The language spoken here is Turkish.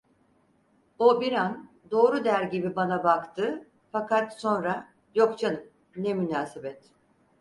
O bir an "doğru" der gibi bana baktı, fakat sonra: "Yok canım, ne münasebet!"